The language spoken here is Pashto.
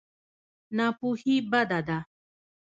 ناپوهي بده ده.